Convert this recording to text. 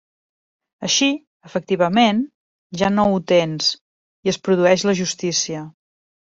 Així, efectivament, ja no ho tens, i es produeix la justícia.